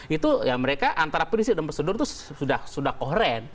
itu ya mereka antara prinsip dan prosedur itu sudah kohren